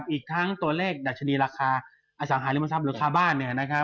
อีกทั้งตัวเลขดัชนีราคาอสังหาริมทรัพย์หรือคาบ้าน